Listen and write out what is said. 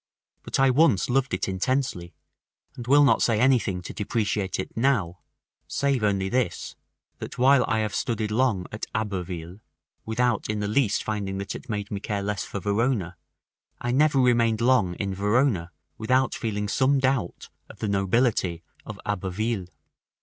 But I once loved it intensely, and will not say anything to depreciate it now, save only this, that while I have studied long at Abbeville, without in the least finding that it made me care less for Verona, I never remained long in Verona without feeling some doubt of the nobility of Abbeville.